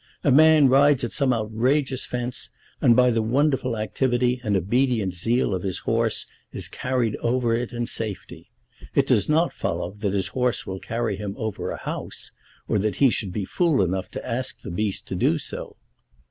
A man rides at some outrageous fence, and by the wonderful activity and obedient zeal of his horse is carried over it in safety. It does not follow that his horse will carry him over a house, or that he should be fool enough to ask the beast to do so."